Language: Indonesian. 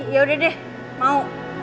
yaudah deh mau